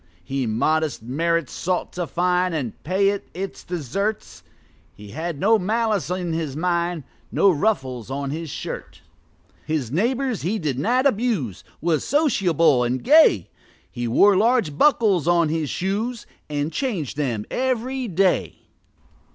He modest merit sought to find, And pay it its desert: He had no malice in his mind, No ruffles on his shirt. His neighbors he did not abuse Was sociable and gay: He wore large buckles on his shoes, And changed them every day.